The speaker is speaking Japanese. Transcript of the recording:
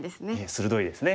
鋭いですね。